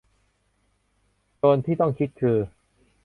โจทย์ที่ต้องคิดคือ